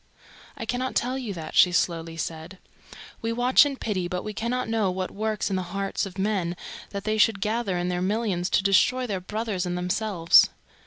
"I cannot tell you that," she slowly said. "We watch and pity, but we cannot know what works in the hearts of men that they should gather in their millions to destroy their brothers and themselves.